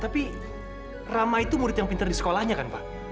tapi rama itu murid yang pintar di sekolahnya kan pak